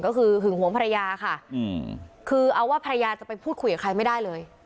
ก็คือหึงหวงภรรยาค่ะคือเอาว่าภรรยาจะไปพูดคุยกับใครไม่ได้เลย